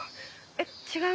えっ違う？